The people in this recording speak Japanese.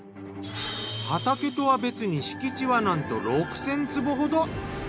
畑とは別に敷地はなんと６，０００坪ほど。